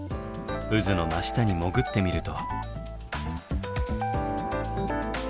渦の真下に潜ってみると。